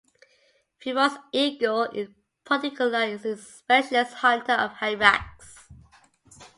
Verreaux's eagle in particular is a specialist hunter of hyrax.